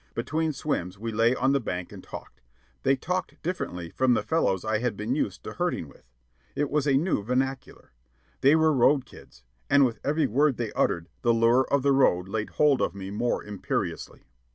Between swims we lay on the bank and talked. They talked differently from the fellows I had been used to herding with. It was a new vernacular. They were road kids, and with every word they uttered the lure of The Road laid hold of me more imperiously.